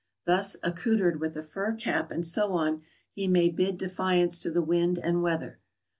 Thus accoutered with a fur cap, and so on, he may bid defiance to the wind and weather.